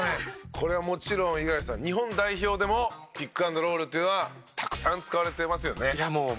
これはもちろん五十嵐さん日本代表でもピックアンドロールっていうのはたくさん使われてますよね？